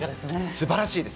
すばらしいです。